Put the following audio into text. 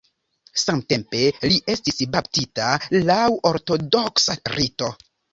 Samtempe li estis baptita laŭ ortodoksa rito.